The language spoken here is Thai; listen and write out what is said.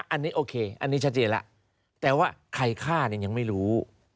อันนี้โอเคอันนี้ชัดเจนแล้วแต่ว่าใครฆ่าเนี่ยยังไม่รู้